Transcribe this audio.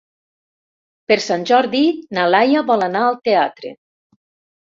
Per Sant Jordi na Laia vol anar al teatre.